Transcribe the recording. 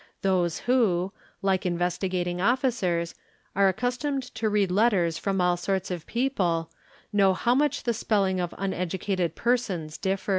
Those who, like Investigating Officers, are accustomed to read letters from all sorts of people know how much the spelling of uneducated persons differs.